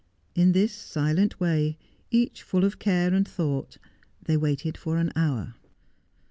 In this silent way, each full of care and thought, they waited for an hour.